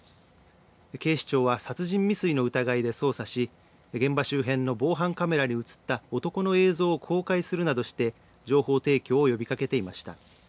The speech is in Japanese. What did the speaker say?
警視庁は殺人未遂の疑いで捜査し現場周辺の防犯カメラに写った男の映像を公開するなどして情報提供を呼びかけていました。